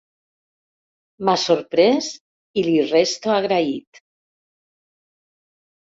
M´ha sorprès i li resto agraït.